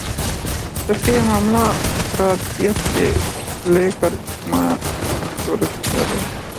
جبکہ یہ معاملہ انفراد عیت سے ل کر اجتماع صورت اختیار کر لے